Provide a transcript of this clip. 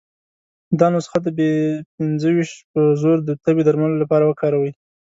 دا نسخه د بي پنځه ویشت په زور د تبې درملو لپاره وکاروي.